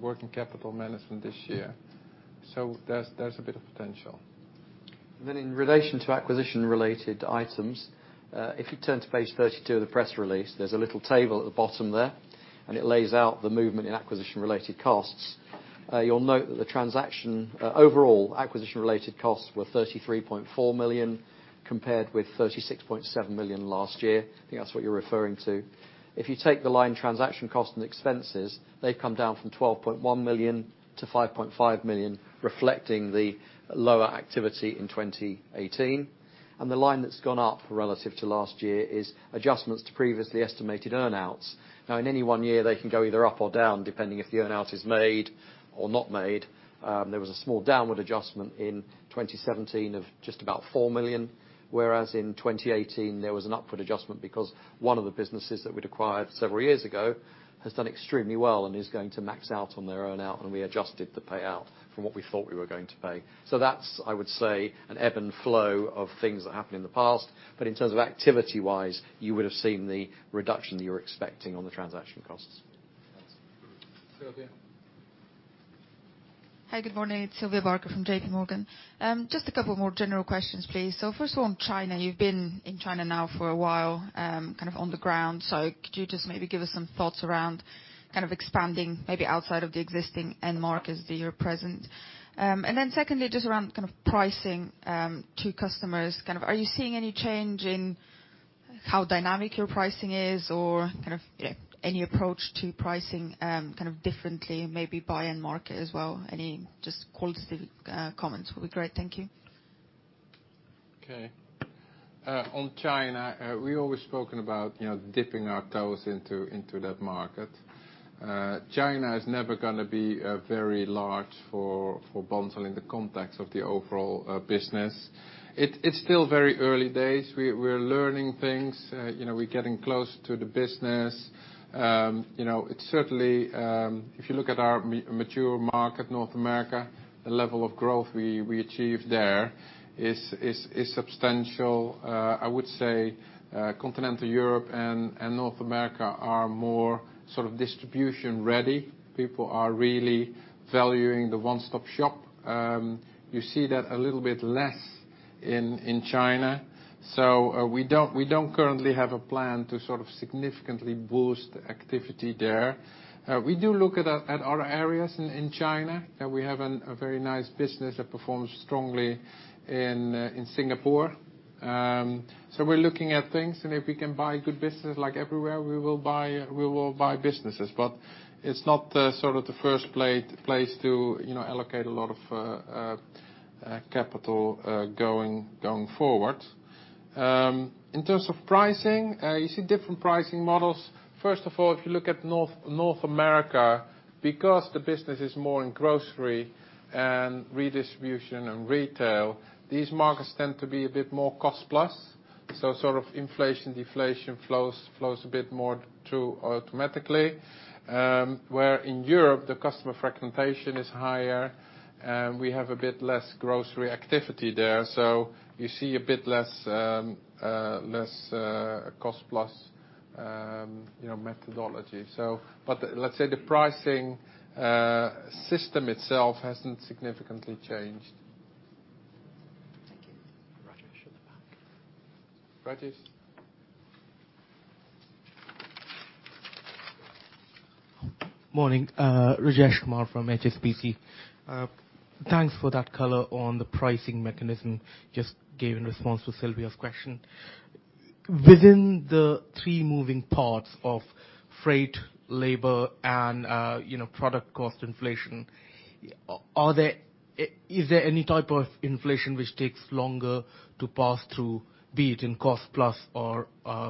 working capital management this year. There is a bit of potential. In relation to acquisition related items, if you turn to page 32 of the press release, there is a little table at the bottom there, and it lays out the movement in acquisition related costs. You will note that the transaction overall acquisition related costs were 33.4 million compared with 36.7 million last year. I think that is what you are referring to. If you take the line transaction cost and expenses, they have come down from 12.1 million-5.5 million, reflecting the lower activity in 2018. The line that has gone up relative to last year is adjustments to previously estimated earn-outs. In any one year, they can go either up or down, depending if the earn-out is made or not made. There was a small downward adjustment in 2017 of just about 4 million, whereas in 2018 there was an upward adjustment because one of the businesses that we had acquired several years ago has done extremely well and is going to max out on their earn-out, and we adjusted the payout from what we thought we were going to pay. That is, I would say, an ebb and flow of things that happened in the past. In terms of activity-wise, you would have seen the reduction that you are expecting on the transaction costs. Thanks. Sylvia? Hi, good morning. It's Sylvia Barker from JPMorgan. Just a couple more general questions, please. First of all, on China, you've been in China now for a while, kind of on the ground. Could you just maybe give us some thoughts around kind of expanding maybe outside of the existing end markets that you're present? Secondly, just around kind of pricing to customers. Are you seeing any change in how dynamic your pricing is or kind of any approach to pricing kind of differently, maybe by end market as well? Any just qualitative comments would be great. Thank you. Okay. On China, we've always spoken about dipping our toes into that market. China is never going to be very large for Bunzl in the context of the overall business. It's still very early days. We're learning things. We're getting close to the business. If you look at our mature market, North America, the level of growth we achieve there is substantial. I would say Continental Europe and North America are more distribution ready. People are really valuing the one-stop shop. You see that a little bit less in China. We don't currently have a plan to significantly boost activity there. We do look at other areas in China. We have a very nice business that performs strongly in Singapore. We're looking at things, and if we can buy good business like everywhere, we will buy businesses. It's not the first place to allocate a lot of capital going forward. In terms of pricing, you see different pricing models. First of all, if you look at North America, because the business is more in grocery and redistribution and retail, these markets tend to be a bit more cost plus. Inflation, deflation flows a bit more automatically. Where in Europe, the customer fragmentation is higher, and we have a bit less grocery activity there. You see a bit less cost plus methodology. Let's say the pricing system itself hasn't significantly changed. Thank you. Rajesh in the back. Rajesh. Morning. Rajesh Kumar from HSBC. Thanks for that color on the pricing mechanism, just gave in response to Sylvia's question. Within the three moving parts of freight, labor, and product cost inflation, is there any type of inflation which takes longer to pass through, be it in cost plus or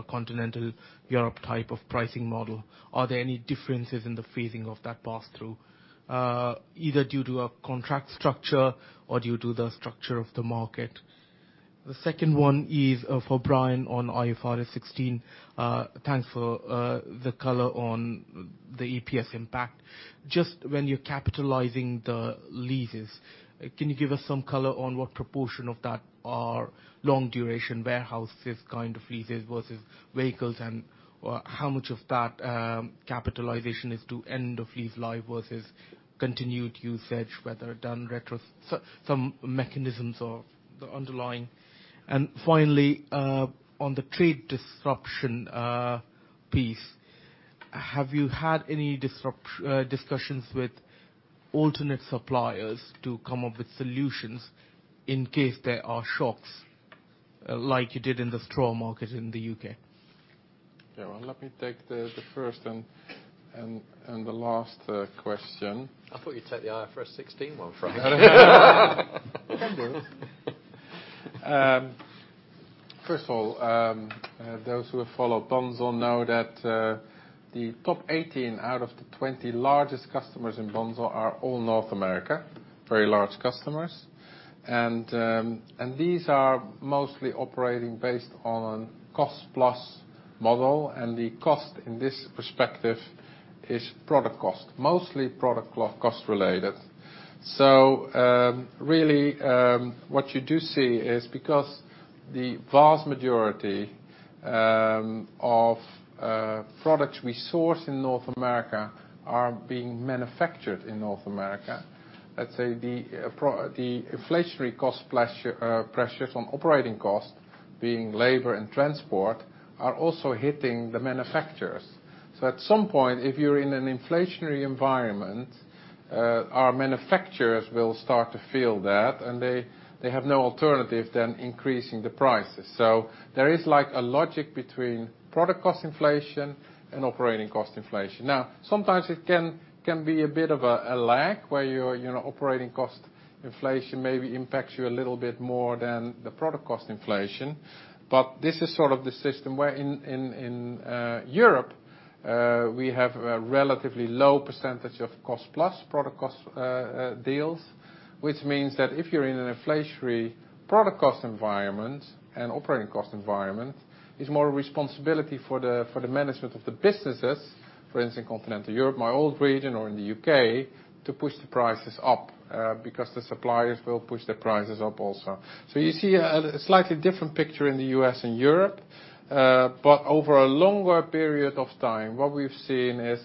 Continental Europe type of pricing model? Are there any differences in the phasing of that pass-through, either due to a contract structure or due to the structure of the market? The second one is for Brian on IFRS 16. Thanks for the color on the EPS impact. Just when you're capitalizing the leases, can you give us some color on what proportion of that are long duration warehouses kind of leases versus vehicles? How much of that capitalization is to end of lease life versus continued usage, whether done retro, some mechanisms of the underlying? Finally, on the trade disruption piece, have you had any discussions with alternate suppliers to come up with solutions in case there are shocks like you did in the straw market in the U.K.? Yeah. Let me take the first and the last question. I thought you'd take the IFRS 16 one first. First of all, those who have followed Bunzl know that the top 18 out of the 20 largest customers in Bunzl are all North America, very large customers. These are mostly operating based on cost plus model, and the cost in this perspective is product cost, mostly product cost related. Really, what you do see is because the vast majority of products we source in North America are being manufactured in North America. Let's say the inflationary cost pressures on operating costs, being labor and transport, are also hitting the manufacturers. At some point, if you're in an inflationary environment, our manufacturers will start to feel that, and they have no alternative than increasing the prices. There is a logic between product cost inflation and operating cost inflation. Sometimes it can be a bit of a lag, where your operating cost inflation maybe impacts you a little bit more than the product cost inflation. This is the system where in Europe, we have a relatively low percentage of cost plus product cost deals, which means that if you're in an inflationary product cost environment and operating cost environment, it's more a responsibility for the management of the businesses. For instance, in Continental Europe, my old region, or in the U.K., to push the prices up because the suppliers will push the prices up also. You see a slightly different picture in the U.S. and Europe. Over a longer period of time, what we've seen is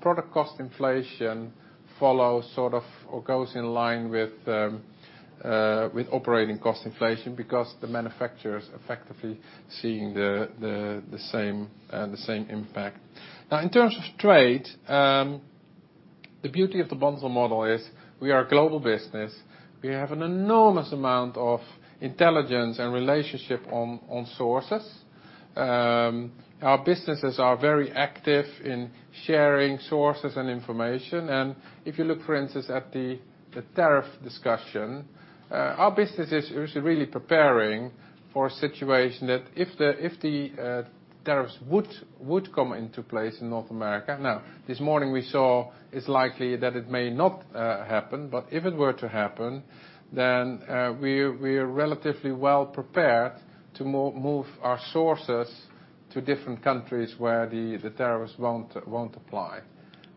product cost inflation follows or goes in line with operating cost inflation because the manufacturer's effectively seeing the same impact. In terms of trade, the beauty of the Bunzl model is we are a global business. We have an enormous amount of intelligence and relationship on sources. Our businesses are very active in sharing sources and information. If you look, for instance, at the tariff discussion, our business is really preparing for a situation that if the tariffs would come into place in North America. This morning we saw it's likely that it may not happen, but if it were to happen, then we are relatively well-prepared to move our sources to different countries where the tariffs won't apply.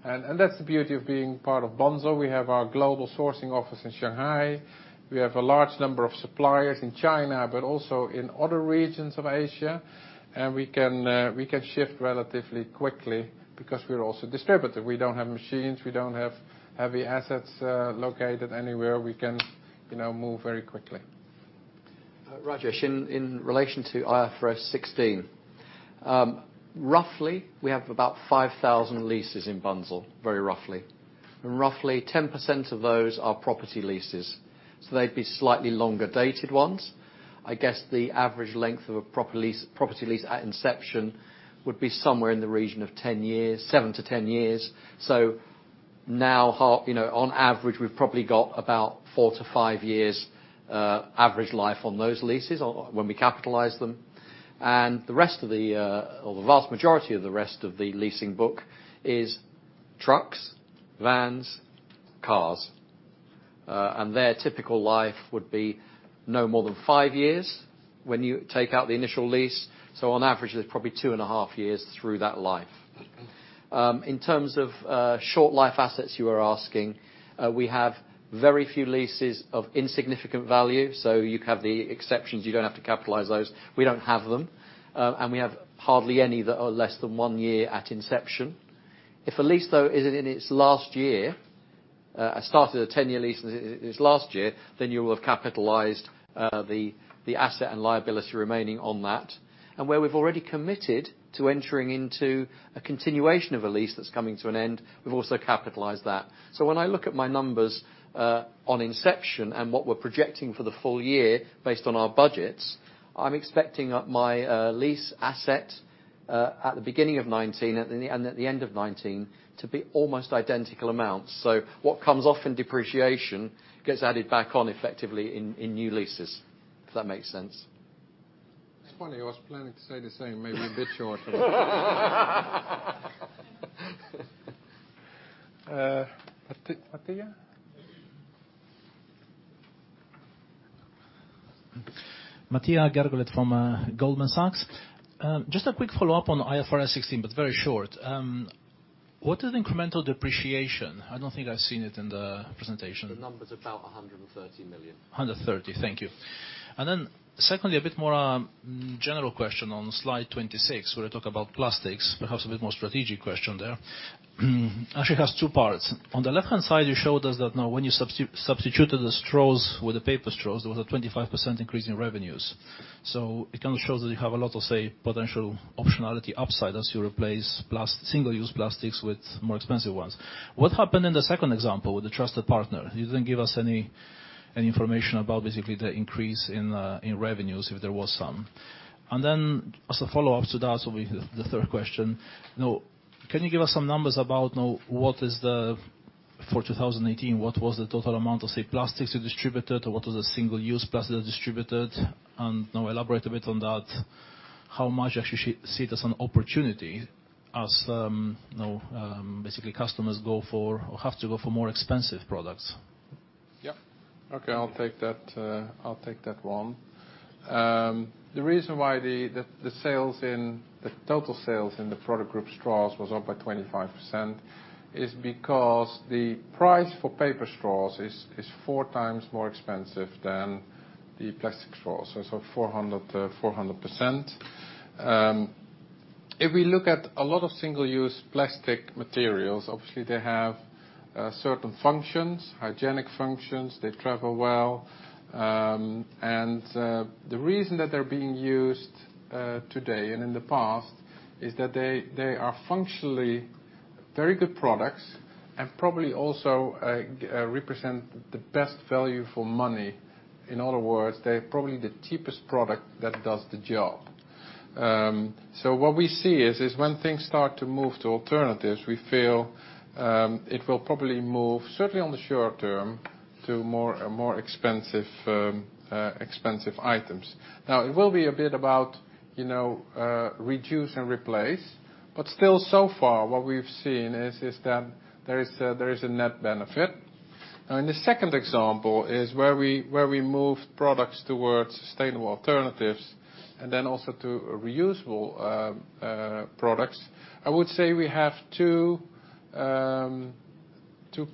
That's the beauty of being part of Bunzl. We have our global sourcing office in Shanghai. We have a large number of suppliers in China, but also in other regions of Asia. We can shift relatively quickly because we're also a distributor. We don't have machines. We don't have heavy assets located anywhere. We can move very quickly. Rajesh, in relation to IFRS 16. Roughly, we have about 5,000 leases in Bunzl. Very roughly. Roughly 10% of those are property leases, so they'd be slightly longer dated ones. I guess the average length of a property lease at inception would be somewhere in the region of 7-10 years. Now, on average, we've probably got about four-five years average life on those leases when we capitalize them. The vast majority of the rest of the leasing book is trucks, vans, cars. Their typical life would be no more than five years when you take out the initial lease. On average, there's probably two and a half years through that life. In terms of short life assets you were asking, we have very few leases of insignificant value. You have the exceptions, you don't have to capitalize those. We don't have them. We have hardly any that are less than one year at inception. If a lease, though, is in its last year, started a 10-year lease and it is in its last year, you will have capitalized the asset and liability remaining on that. Where we've already committed to entering into a continuation of a lease that's coming to an end, we've also capitalized that. When I look at my numbers on inception and what we're projecting for the full year based on our budgets, I'm expecting my lease asset at the beginning of 2019 and at the end of 2019 to be almost identical amounts. What comes off in depreciation gets added back on effectively in new leases. If that makes sense. It's funny, I was planning to say the same, maybe a bit shorter. Matija? Matija Gergolet from Goldman Sachs. Just a quick follow-up on IFRS 16, very short. What is incremental depreciation? I don't think I've seen it in the presentation. The number's about 130 million. 130 million. Thank you. Secondly, a bit more general question on slide 26, where they talk about plastics, perhaps a bit more strategic question there. Actually, it has two parts. On the left-hand side, you showed us that now when you substituted the straws with the paper straws, there was a 25% increase in revenues. It kind of shows that you have a lot of, say, potential optionality upside as you replace single-use plastics with more expensive ones. What happened in the second example with the trusted partner? You didn't give us any information about basically the increase in revenues, if there was some. As a follow-up to that will be the third question. Can you give us some numbers about for 2018, what was the total amount of, say, plastics you distributed, or what was the single-use plastics distributed? Now elaborate a bit on that. How much actually see it as an opportunity as basically customers have to go for more expensive products? Yeah. Okay. I'll take that one. The reason why the total sales in the product group straws was up by 25% is because the price for paper straws is four times more expensive than the plastic straws. It's 400%. If we look at a lot of single-use plastic materials, obviously they have certain functions, hygienic functions. They travel well. The reason that they're being used today and in the past is that they are functionally very good products and probably also represent the best value for money. In other words, they're probably the cheapest product that does the job. What we see is when things start to move to alternatives, we feel it will probably move, certainly on the short term, to more expensive items. Now it will be a bit about reduce and replace. Still so far what we've seen is that there is a net benefit. In the second example is where we moved products towards sustainable alternatives and then also to reusable products. I would say we have two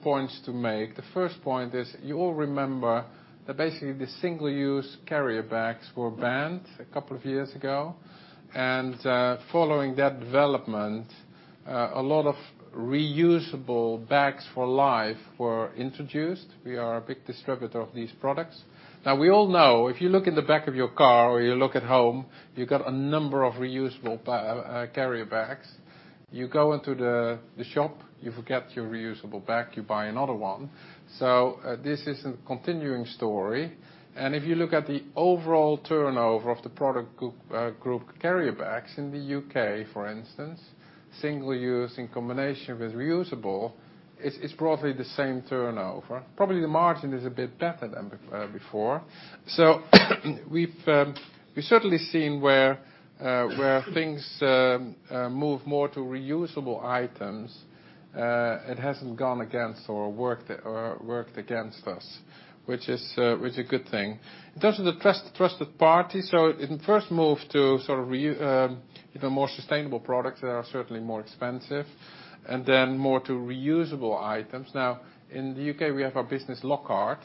points to make. The first point is you all remember that basically the single-use carrier bags were banned a couple of years ago. Following that development, a lot of reusable bags for life were introduced. We are a big distributor of these products. We all know if you look in the back of your car or you look at home, you've got a number of reusable carrier bags. You go into the shop, you forget your reusable bag, you buy another one. This is a continuing story. If you look at the overall turnover of the product group carrier bags in the U.K., for instance, single use in combination with reusable, it's broadly the same turnover. Probably the margin is a bit better than before. We've certainly seen where things move more to reusable items. It hasn't gone against or worked against us, which is a good thing. In terms of the trusted party, so in first move to even more sustainable products that are certainly more expensive and then more to reusable items. In the U.K., we have our business, Lockhart,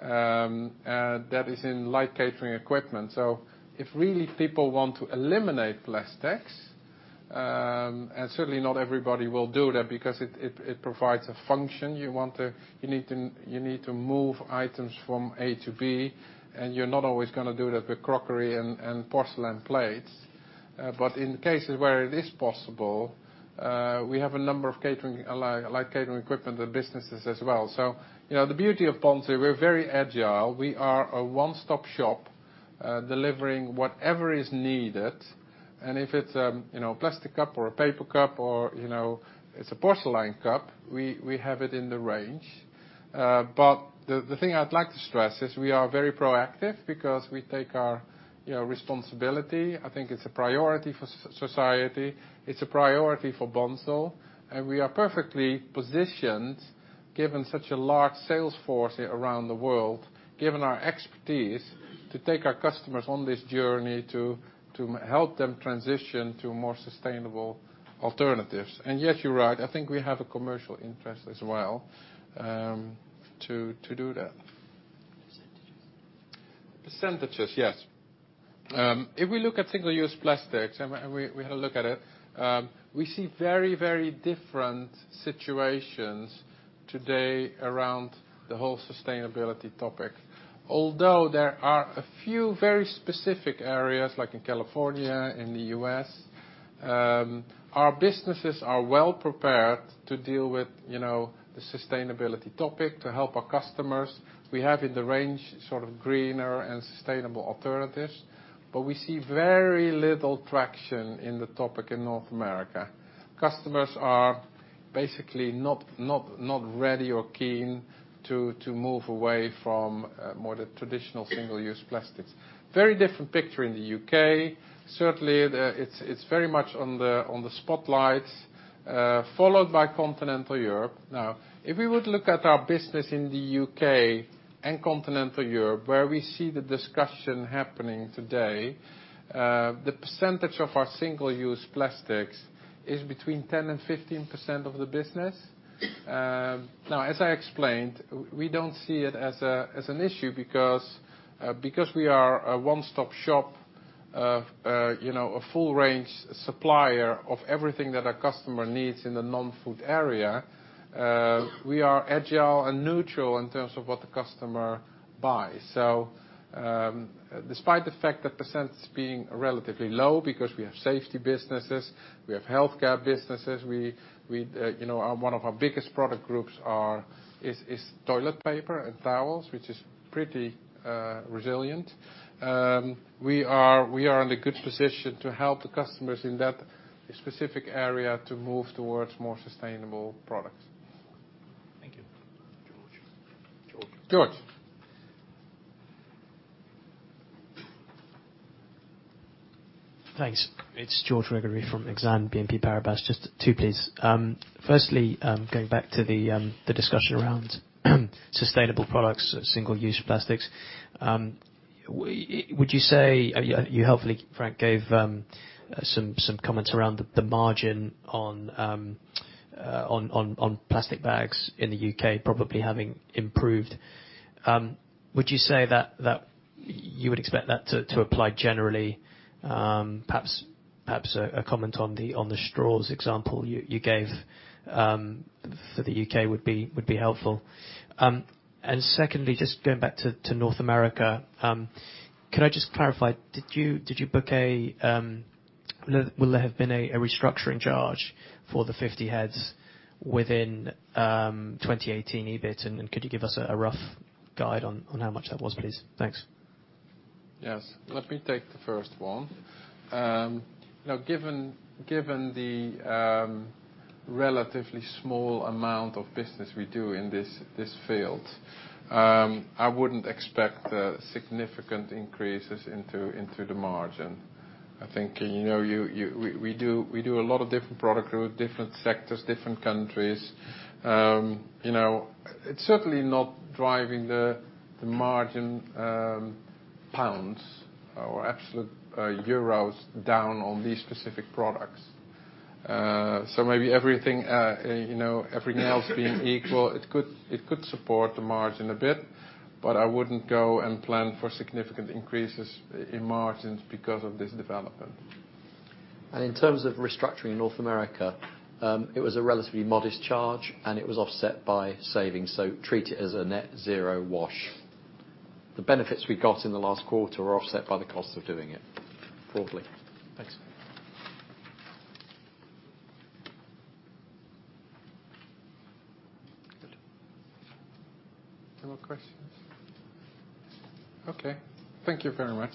and that is in light catering equipment. If really people want to eliminate plastics, and certainly not everybody will do that because it provides a function. You need to move items from A to B, and you're not always going to do that with crockery and porcelain plates. In cases where it is possible, we have a number of light catering equipment and businesses as well. The beauty of Bunzl, we're very agile. We are a one-stop shop, delivering whatever is needed. If it's a plastic cup or a paper cup or it's a porcelain cup, we have it in the range. The thing I'd like to stress is we are very proactive because we take our responsibility. I think it's a priority for society. It's a priority for Bunzl. We are perfectly positioned, given such a large sales force around the world, given our expertise, to take our customers on this journey to help them transition to more sustainable alternatives. Yes, you're right. I think we have a commercial interest as well to do that. Percentages. Percentages, yes. There are a few very specific areas, like in California, in the U.S., our businesses are well prepared to deal with the sustainability topic to help our customers. We have in the range sort of greener and sustainable alternatives, but we see very little traction in the topic in North America. Customers are basically not ready or keen to move away from more the traditional single-use plastics. Very different picture in the U.K. Certainly, it's very much on the spotlight, followed by Continental Europe. If we would look at our business in the U.K. and Continental Europe, where we see the discussion happening today, the percentage of our single-use plastics is between 10% and 15% of the business. As I explained, we don't see it as an issue because we are a one-stop shop, a full-range supplier of everything that a customer needs in the non-food area. We are agile and neutral in terms of what the customer buys. Despite the fact that percent is being relatively low because we have safety businesses, we have healthcare businesses, one of our biggest product groups is toilet paper and towels, which is pretty resilient. We are in a good position to help the customers in that specific area to move towards more sustainable products. Thank you. George. George. Thanks. It's George Gregory from Exane BNP Paribas. Just two, please. Firstly, going back to the discussion around sustainable products, single-use plastics. You helpfully, Frank, gave some comments around the margin on plastic bags in the U.K. probably having improved. Would you say that you would expect that to apply generally? Perhaps a comment on the straws example you gave for the U.K. would be helpful. Secondly, just going back to North America. Can I just clarify, will there have been a restructuring charge for the 50 heads within 2018 EBIT? And could you give us a rough guide on how much that was, please? Thanks. Yes. Let me take the first one. Given the relatively small amount of business we do in this field, I wouldn't expect significant increases into the margin. I think we do a lot of different product group, different sectors, different countries. It's certainly not driving the margin GBP or absolute euros down on these specific products. Maybe everything else being equal, it could support the margin a bit, but I wouldn't go and plan for significant increases in margins because of this development. In terms of restructuring in North America, it was a relatively modest charge, and it was offset by savings. Treat it as a net zero wash. The benefits we got in the last quarter were offset by the cost of doing it quarterly. Thanks. Good. Any more questions? Okay. Thank you very much.